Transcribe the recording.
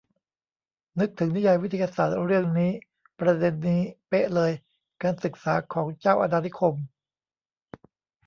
นึกถึงนิยายวิทยาศาสตร์เรื่องนี้ ประเด็นนี้เป๊ะเลย การศึกษาของเจ้าอาณานิคม